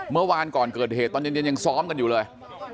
เมื่อวานก่อนเกิดเหตุตอนเย็นยังซ้อมกันอยู่เลย